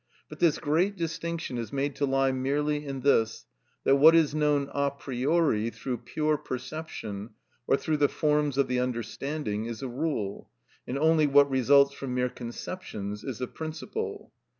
But this great distinction is made to lie merely in this, that what is known a priori through pure perception or through the forms of the understanding is a rule, and only what results from mere conceptions is a principle.